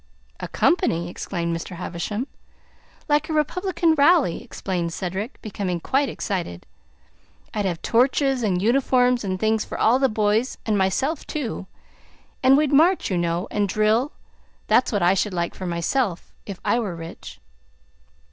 "A company!" exclaimed Mr. Havisham. "Like a Republican rally," explained Cedric, becoming quite excited. "I'd have torches and uniforms and things for all the boys and myself, too. And we'd march, you know, and drill. That's what I should like for myself, if I were rich."